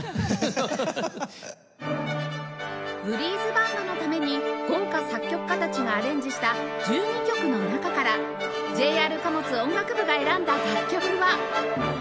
ブリーズバンドのために豪華作曲家たちがアレンジした１２曲の中から ＪＲ 貨物音楽部が選んだ楽曲は